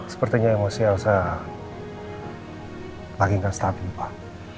sepertinya emosi elsa lagi gak stabil pak